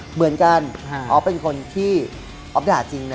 เหมือนกันออฟเป็นคนที่ออฟด่าจริงนะ